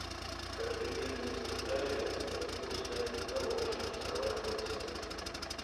Как премьер-министр Израиля я прибыл сюда не для того, чтобы сорвать аплодисменты.